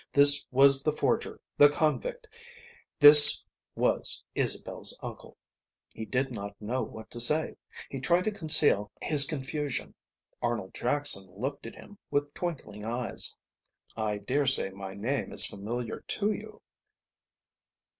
This was the forger, the convict, this was Isabel's uncle. He did not know what to say. He tried to conceal his confusion. Arnold Jackson looked at him with twinkling eyes. "I daresay my name is familiar to you."